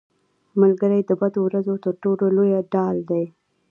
ملګری د بدو ورځو تر ټولو لویه ډال دی